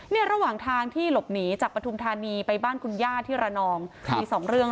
ระหว่างทางที่หลบหนีจากปฐุมธานีไปบ้านคุณย่าที่ระนองมีสองเรื่อง